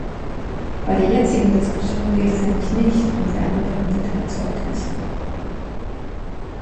Bei der jetzigen Diskussion geht es nämlich nicht um wärmebehandelte Erzeugnisse.